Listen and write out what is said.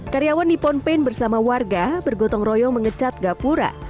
karyawan di ponpaint bersama warga bergotong royong mengecat kapura